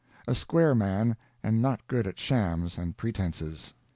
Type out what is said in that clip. A square man, and not good at shams and pretenses.